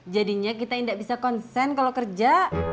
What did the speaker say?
jadinya kita tidak bisa konsen kalau kerja